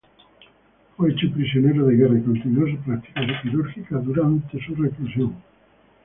Fue hecho prisionero de guerra y continuó su práctica quirúrgica durante su reclusión.